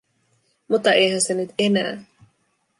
Mutta eihän se nyt enää.